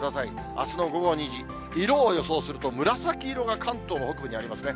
あすの午後２時、色を予想すると紫色が関東の北部にありますね。